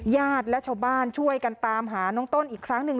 ญาติและชาวบ้านช่วยกันตามหาน้องต้นอีกครั้งหนึ่ง